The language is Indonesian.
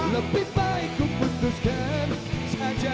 lebih baik ku putuskan sengaja